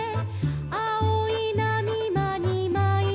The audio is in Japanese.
「あおいなみまにまいおりた」